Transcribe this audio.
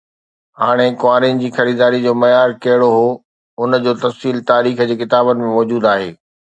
هاڻي ڪنوارين جي خريداريءَ جو معيار ڪهڙو هو، ان جو تفصيل تاريخ جي ڪتابن ۾ موجود آهي.